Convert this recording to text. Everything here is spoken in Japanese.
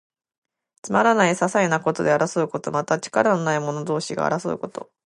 つまらない、ささいなことで争うこと。また、力のない者同士が争うこと。